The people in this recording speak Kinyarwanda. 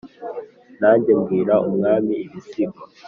Nanjye mbwira Umwami ibisigo,